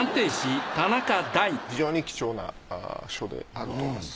非常に貴重な書であると思います。